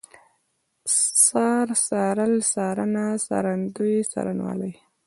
څار، څارل، څارنه، څارندوی، څارنوالي